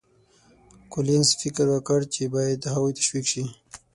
کولینز فکر وکړ چې باید هغوی تشویق شي.